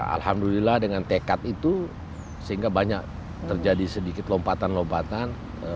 alhamdulillah dengan tekad itu sehingga banyak terjadi sedikit lompatan lompatan banyak terobosan terobosan